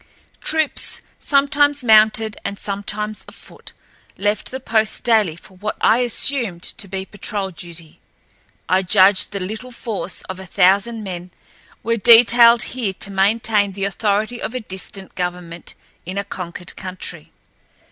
Troops, sometimes mounted and sometimes afoot, left the post daily for what I assumed to be patrol duty. I judged the little force of a thousand men were detailed here to maintain the authority of a distant government in a conquered country.